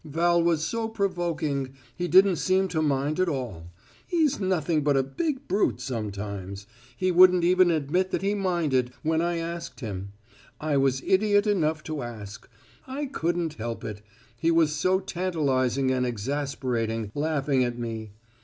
Val was so provoking: he didn't seem to mind it at all. He's nothing but a big brute sometimes: he wouldn't even admit that he minded, when I asked him. I was idiot enough to ask; I couldn't help it; he was so tantalizing and exasperating laughing at me.